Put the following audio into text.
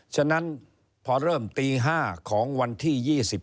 ฉะนั้นตี๕ของวันที่๒๕